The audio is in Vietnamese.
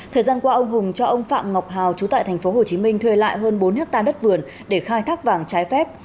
thời gian qua ông hùng cho ông phạm ngọc hào chú tại tp hcm thuê lại hơn bốn hectare đất vườn để khai thác vàng trái phép